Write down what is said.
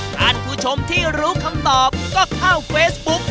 ท่านผู้ชมที่รู้คำตอบก็เข้าเฟซบุ๊ก